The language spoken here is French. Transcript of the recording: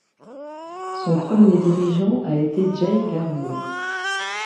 Son premier dirigeant a été Jay Garner.